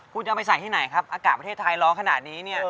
คุณจะเอาไปใส่ที่ไหนครับอากาศประเทศไทยร้อนขนาดนี้เนี่ย